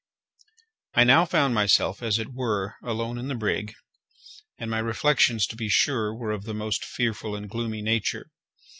I now found myself, as it were, alone in the brig, and my reflections, to be sure, were of the most fearful and gloomy nature.